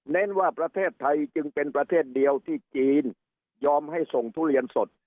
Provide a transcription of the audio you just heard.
ว่าประเทศไทยจึงเป็นประเทศเดียวที่จีนยอมให้ส่งทุเรียนสด